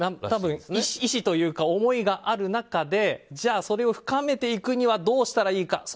多分意思というか思いがある中でじゃあ、それを深めていくにはどうしたらいいか。